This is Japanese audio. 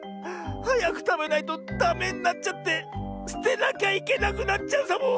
はやくたべないとダメになっちゃってすてなきゃいけなくなっちゃうサボ。